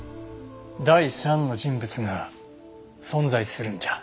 第三の人物が存在するんじゃ。